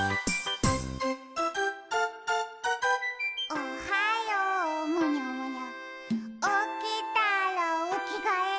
「おはようむにゃむにゃおきたらおきがえ」